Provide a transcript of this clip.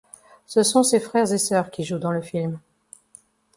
Ce sont ses frères et sœurs qui jouent dans le film.